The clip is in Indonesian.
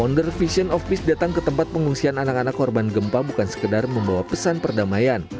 founder visions of peace datang ke tempat pengungsian anak anak korban gempa bukan sekedar membawa pesan perdamaian